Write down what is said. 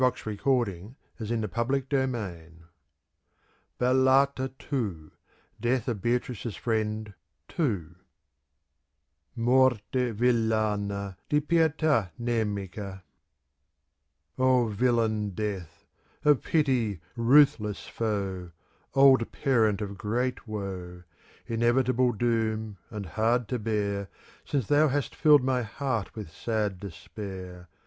*7 CANZONIERE BALLATA II [ Xy^ ,' t ^ DEATH OF Beatrice's friend (2) Morte •villana, di pieta nemica O VILLAIN Death, of pity ruthless foe, Old parent of great woe, Inevitable doom and hard to bear. Since thou hast filled my heart with sad despair.